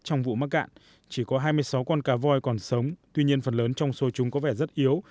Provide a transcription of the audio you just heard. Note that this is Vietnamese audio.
trong vụ mắc cạn chỉ có hai mươi sáu con cá voi còn sống tuy nhiên phần lớn trong số chúng có vẻ rất yếu